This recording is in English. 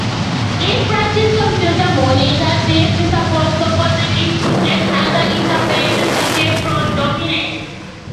In practice computer monitors ceased to support composite input as other interfaces became predominant.